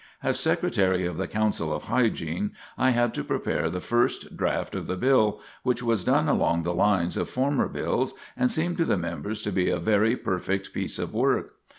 As secretary of the Council of Hygiene I had to prepare the first draft of the bill, which was done along the lines of former bills and seemed to the members to be a very perfect piece of work.